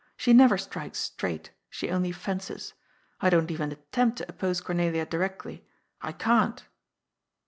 She never strikes straight ; she only fences. I don't even attempt to oppose Cornelia directly. I can't."